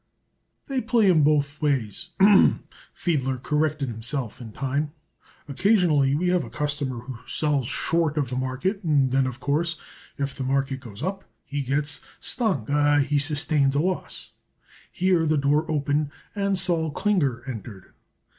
"They play 'em both ways a hem!" Fiedler corrected himself in time. "Occasionally we have a customer who sells short of the market, and then, of course, if the market goes up he gets stung er he sustains a loss." Here the door opened and Sol Klinger entered.